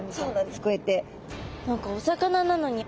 こうやって。